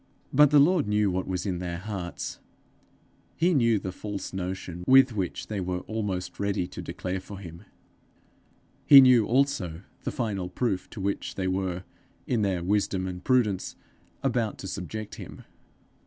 But the Lord knew what was in their hearts; he knew the false notion with which they were almost ready to declare for him; he knew also the final proof to which they were in their wisdom and prudence about to subject him.